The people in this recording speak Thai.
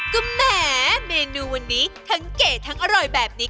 ก็แหมเมนูวันนี้ทั้งเก๋ทั้งอร่อยแบบนี้